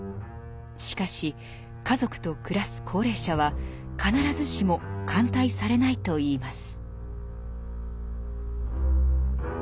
しかし家族と暮らす高齢者は必ずしも歓待されないといいます。